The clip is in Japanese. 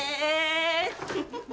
フフフ。